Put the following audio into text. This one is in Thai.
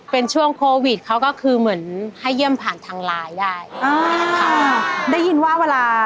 เป็นช่วงโควิดเขาก็คือเหมือนให้เยี่ยมผ่านทางไลน์ได้อ๋อค่ะได้ยินว่าเวลา